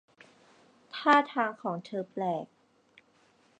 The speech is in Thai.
ท่าทางของเธอแปลก